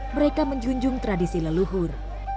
mereka menjunjung tradisi leluhur